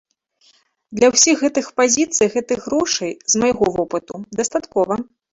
Для ўсіх гэтых пазіцый гэтых грошай, з майго вопыту, дастаткова.